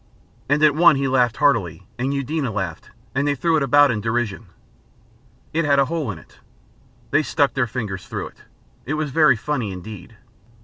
And at one he laughed heartily, and Eudena laughed, and they threw it about in derision. It had a hole in it. They stuck their fingers through it, it was very funny indeed.